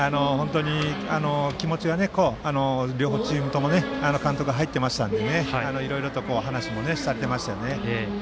気持ちが両チームとも入っていたのでいろいろと話もされていましたよね。